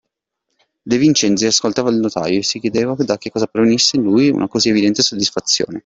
De Vincenzi ascoltava il notaio e si chiedeva da che cosa provenisse in lui una così evidente soddisfazione.